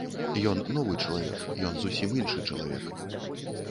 Ён новы чалавек, ён зусім іншы чалавек.